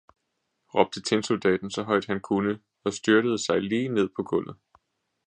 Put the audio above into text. råbte tinsoldaten så højt han kunne og styrtede sig lige ned på gulvet.